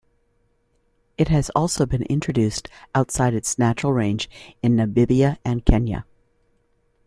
It has also been introduced outside its natural range in Namibia and Kenya.